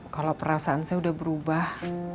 kalau perasaan saya sudah berubah